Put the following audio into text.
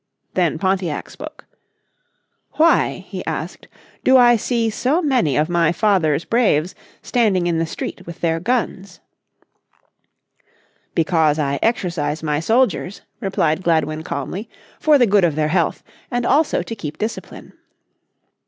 Then Pontiac spoke, "why," he asked, "do I see so many of my father's braves standing in the street with their guns?" "Because I exercise my soldiers," replied Gladwin calmly, "for the good of their health, and also to keep discipline."